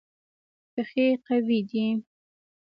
پښې قوي دي.